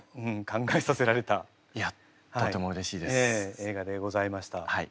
映画でございました。